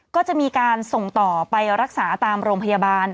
ก็จะมีการส่งต่อไปรักษาตามโรงพยาบาล